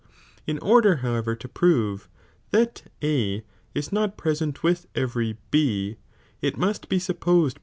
In order however to prove that A is not present with every B, it must be supposed